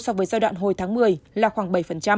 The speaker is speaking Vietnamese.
so với giai đoạn hồi tháng một mươi là khoảng bảy